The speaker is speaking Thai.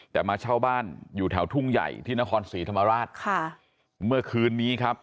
แต่มาเช่าบ้านอยู่แถวทุ่งใหญ่ที่นครศรีธรรมราชค่ะเมื่อคืนนี้ครับ